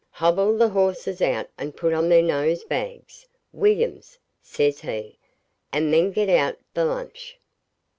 'Hobble the horses out and put on their nose bags, Williams,' says he, 'and then get out the lunch.